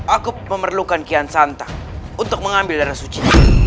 aku memerlukan kian santa untuk mengambil darah suci